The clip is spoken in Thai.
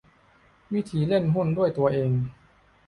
วิธีเล่นหุ้นด้วยตัวเอง